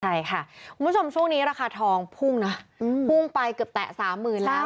ใช่ค่ะคุณผู้ชมช่วงนี้ราคาทองพุ่งนะพุ่งไปเกือบแตะสามหมื่นแล้ว